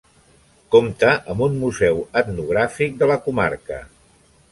Compta amb un museu etnogràfic de la comarca.